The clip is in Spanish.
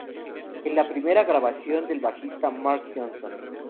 En la primera grabación del bajista Marc Johnson.